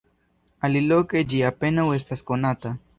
Aliloke ĝi apenaŭ estas konata.